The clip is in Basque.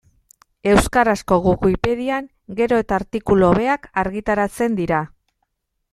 Euskarazko Wikipedian gero eta artikulu hobeak argitaratzen dira.